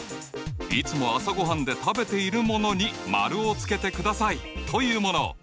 いつも朝ごはんで食べているものに丸をつけてくださいというもの。